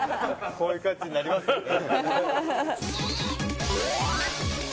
こういう感じになりますよね。